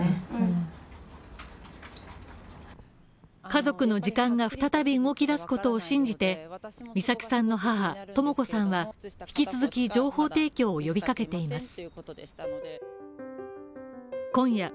家族の時間が再び動き出すことを信じて美咲さんの母・とも子さんは引き続き情報提供を呼びかけています。